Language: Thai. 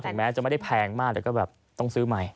แม้จะไม่ได้แพงมากแต่ก็แบบต้องซื้อใหม่